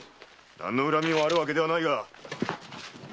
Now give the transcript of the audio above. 何の恨みもあるわけではないが！